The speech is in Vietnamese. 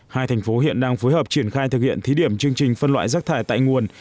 hai thành phố hiện đang phối hợp triển khai thực hiện thí điểm chương trình phân loại rác thải tại nguồn